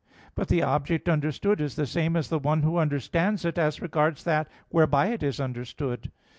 But the object understood is the same as the one who understands it, as regards that whereby it is understood.